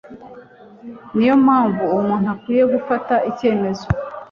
niyo mpamvu umuntu akwiye gufata icyemezo